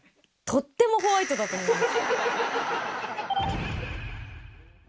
とってもホワイトだと思います。